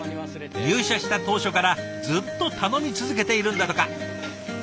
入社した当初からずっと頼み続けているんだとか。